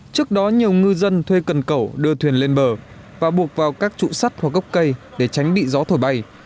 trước đó nhiều ngư dân thuê cần cẩu đưa thuyền lên bờ và buộc vào các trụ sắt hoặc gốc cây để tránh bị gió thổi bay